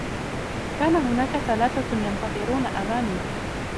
كان هناك ثلاثة ينتظرون أمامي.